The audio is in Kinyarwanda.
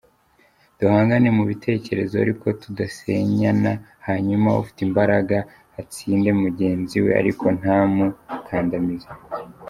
Duhangane mu bitekerezo ariko tudasenyana, hanyuma ufite imbaraga atsinde mugenzi we ariko ntamukandamize.